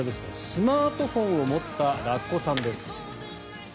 スマートフォンを持ったラッコさんです。